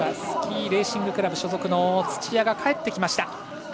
スキーレーシングクラブ所属土屋が帰ってきました。